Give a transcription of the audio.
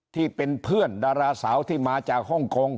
ที่เป็นเพื่อนดาราสาวที่มาจากฮ่องกง